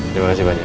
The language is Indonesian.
terima kasih banyak